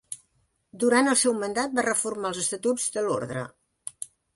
Durant el seu mandat va reformar els estatuts de l'orde.